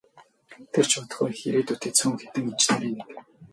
Тэр ч байтугай их ирээдүйтэй цөөн хэдэн инженерийн нэг.